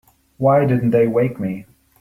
Why didn't they wake me?